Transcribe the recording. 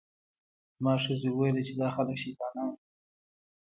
زما ښځې وویل چې دا خلک شیطانان دي.